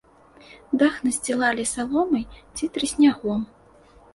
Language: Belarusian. Дах насцілалі саломай ці трыснягом.